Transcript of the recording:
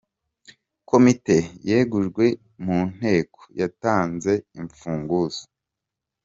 Komite yegujwe munteko yatanze imfunguzo